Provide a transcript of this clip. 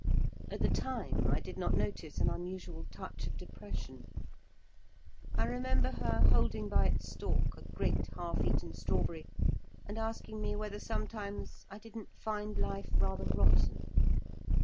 At the time I did not notice an unusual touch of depression. I remember her holding by its stalk a great half eaten strawberry and asking me whether sometimes I didn't find life rather rotten.